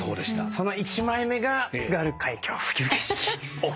その１枚目が『津軽海峡・冬景色』